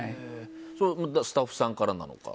スタッフさんからなのか。